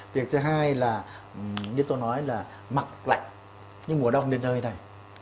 việc thứ hai là như tôi nói là mặc lạnh nhưng mùa đông đến nơi này